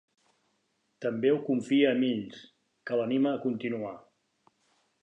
També ho confia a Mills, que l'anima a continuar.